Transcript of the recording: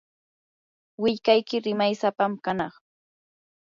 willkayki rimaysapam kanaq.